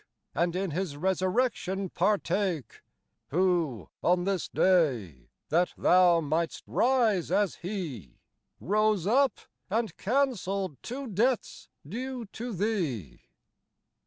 And in His resurrection partake, Who on this day, that thou might' st rise as He, Rose up, and cancelled two deaths due to thee.